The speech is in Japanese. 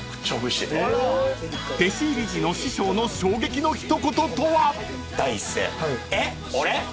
［弟子入り時の師匠の衝撃の一言とは］